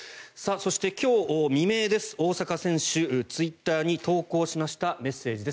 そして、今日未明です大坂選手ツイッターに投稿しましたメッセージです。